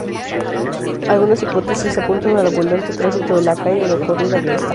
Algunas hipótesis apuntan al abundante tránsito de la calle, lo "corrida" que está.